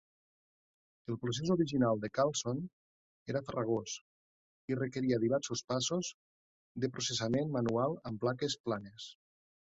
El procés original de Carlson era farragós, i requeria diversos passos de processament manual amb plaques planes.